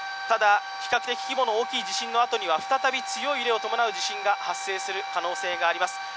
ただ、比較的規模の大きい地震の後には再び強い揺れを伴う地震が発生する可能性があります。